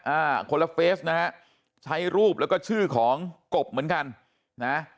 อ่าคนละเฟสนะฮะใช้รูปแล้วก็ชื่อของกบเหมือนกันนะ